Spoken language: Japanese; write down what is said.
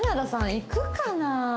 いくかな？